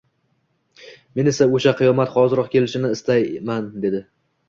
Men esa oʻsha qiyomat hoziroq kelishini istayman dedi.